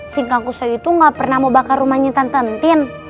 si kang kusoy itu gak pernah mau bakar rumahnya tenten tin